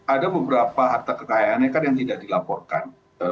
ada beberapa harta kekayaannya kan yang tidak dilaporkan